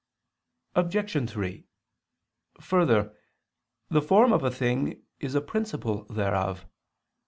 Obj. 3: Further, the form of a thing is a principle thereof.